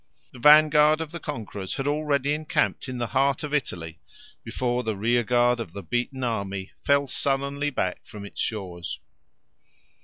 The vanguard of the conquerors had already encamped in the heart of Italy before the rearguard of the beaten army fell sullenly back from its shores.